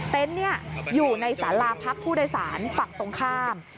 เต็นต์นี้อยู่ในสาราพพุทธศาลฝั่งตรงข้าม